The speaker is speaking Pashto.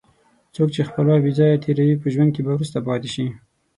څوک چې خپل وخت بې ځایه تېروي، په ژوند کې به وروسته پاتې شي.